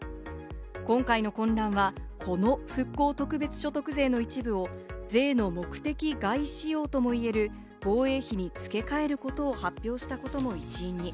今回の混乱は、この復興特別所得税の一部を税の目的外使用ともいえる防衛費に付け替えることを発表したことも一因に。